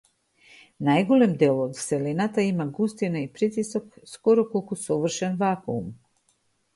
Најголем дел од вселената има густина и притисок скоро колку совршен вакуум.